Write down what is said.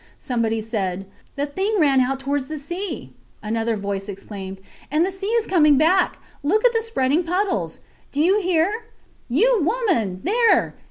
Somebody said: The thing ran out towards the sea. Another voice exclaimed: And the sea is coming back! Look at the spreading puddles. Do you hear you woman there!